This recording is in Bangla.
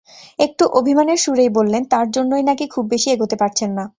একটু অভিমানের সুরেই বললেন, তাঁর জন্যই নাকি খুব বেশি এগোতে পারছেন না।